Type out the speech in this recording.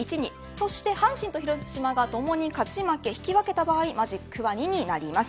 そして阪神と広島が共に勝ち負け引き分けた場合マジックは２になります。